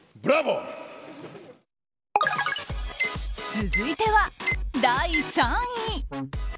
続いては第３位。